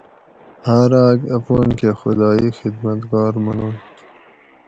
ہاۤر آۤک اپان کہ خدائ خدمت گار مننت